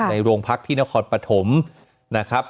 ในโรงพักที่นครปฐมนะครับ